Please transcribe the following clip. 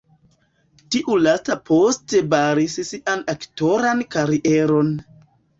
Tiu lasta poste baris sian aktoran karieron.